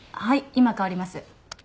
今代わります。